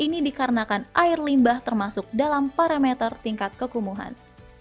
ini dikarenakan air limbah termasuk dalam parameter tingkat kekumuhan